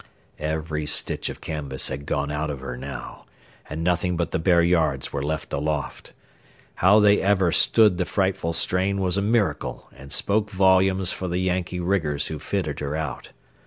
Every stitch of canvas had gone out of her now, and nothing but the bare yards were left aloft. How they ever stood the frightful strain was a miracle and spoke volumes for the Yankee riggers who fitted her out.